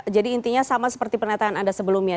jadi intinya sama seperti pernyataan anda sebelumnya